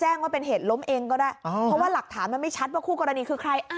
แจ้งว่าเป็นเหตุล้มเองก็ได้เพราะว่าหลักฐานมันไม่ชัดว่าคู่กรณีคือใคร